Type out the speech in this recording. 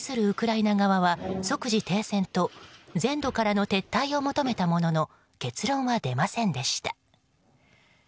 ウクライナ側は即時停戦と全土からの撤退を求めたものの結論は出ませんでした。